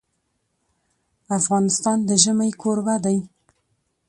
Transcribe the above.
افغانستان د ژمی کوربه دی.